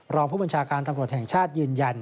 รองผู้บัญชาการตำรวจแห่งชาติยืนยัน